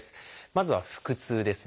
まずは「腹痛」ですね。